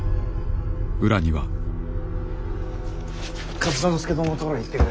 上総介殿のところへ行ってくる。